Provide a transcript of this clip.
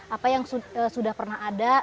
apa yang sudah pernah ada